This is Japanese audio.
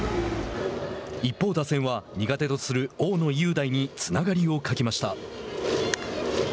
一方、打線は苦手とする大野雄大につながりを欠きました。